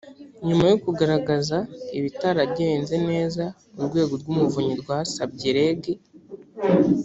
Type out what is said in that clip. nyuma yo kugaragaza ibitaragenze neza urwego rw umuvunyi rwasabye reg